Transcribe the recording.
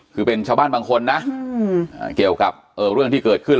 คือเป็นชาวบ้านบางคนนะเกี่ยวกับเรื่องที่เกิดขึ้น